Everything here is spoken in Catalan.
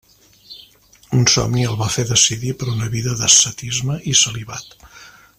Un somni el va fer decidir per una vida d'ascetisme i celibat.